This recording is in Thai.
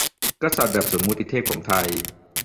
กษัตริย์แบบสมมติเทพของไทย